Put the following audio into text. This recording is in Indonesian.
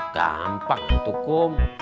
gampang tuh kum